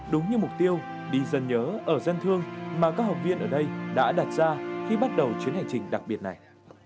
đúng như mục tiêu đi dân nhớ ở dân thương mà các học viên ở đây đã đặt ra khi bắt đầu chuyến hành trình đặc biệt này